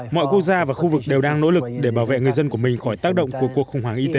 mọi quốc gia và khu vực đều đang nỗ lực để bảo vệ người dân của mình khỏi tác động của cuộc khủng hoảng y tế